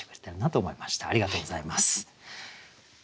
ありがとうございます。